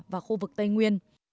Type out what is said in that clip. và khu vực tây